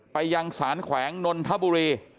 ไปยังสารแขวงนนทบุรี